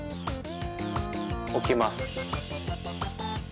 おきます。